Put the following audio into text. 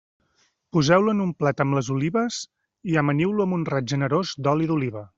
Poseu-lo en un plat amb les olives i amaniu-lo amb un raig generós d'oli d'oliva.